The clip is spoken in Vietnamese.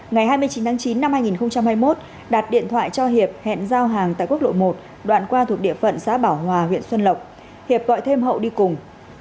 ngày hai mươi chín tháng chín năm hai nghìn hai mươi một đạt điện thoại cho hiệp hẹn giao hàng tại quốc lộ một đoạn qua thuộc địa phận xã bảo hòa huyện xuân lộc hiệp gọi thêm hậu đi cùng